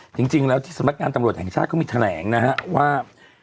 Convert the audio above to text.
จริงแล้วที่สำนักงานตำรวจแห่งชาติเขามีแถลงนะฮะว่า